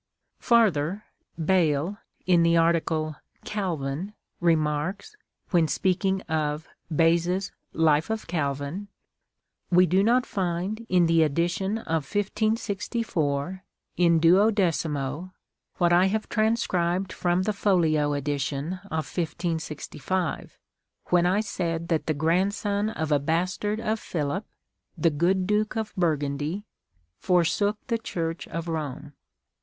Farther, Bayle, in the Art. Calvin, remarks, when speak ing of Beza's Life of Calvin —" We do not find in the edition of 1564, in 12mo, what I have transcribed from the folio edition of 1565, when I said that the grandson of a bastard of Philip, the good Duke of Burgundy, forsook the Church of Rome."